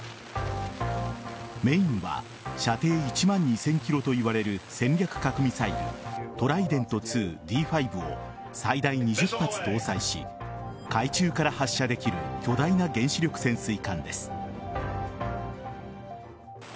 「メイン」は射程１万２０００ｋｍといわれる戦略核ミサイルトライデント２Ｄ５を最大２０発搭載し海中から発射できる巨大な原子力潜水艦です。